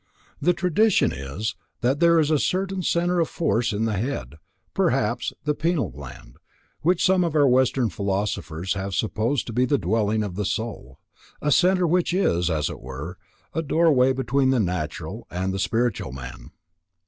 The tradition is, that there is a certain centre of force in the head, perhaps the "pineal gland," which some of our Western philosophers have supposed to be the dwelling of the soul, a centre which is, as it were, the door way between the natural and the spiritual man.